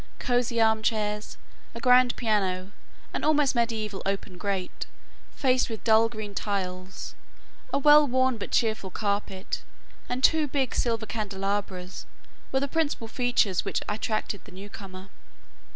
Cosy armchairs, a grand piano, an almost medieval open grate, faced with dull green tiles, a well worn but cheerful carpet and two big silver candelabras were the principal features which attracted the newcomer.